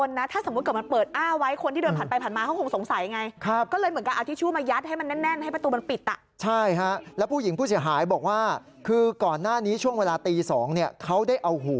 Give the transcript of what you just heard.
แล้วก็คงกังวลนะถ้าสมมติเกิดมันเปิดอ้าไว้